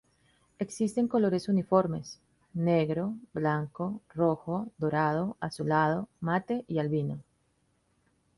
Existen colores uniformes: Negro, blanco, rojo, dorado, azulado, mate y albino.